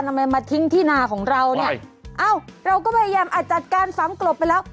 ทำไมมาทิ้งที่นาของเราเนี่ยเอ้าเราก็พยายามอาจจัดการฝังกลบไปแล้ว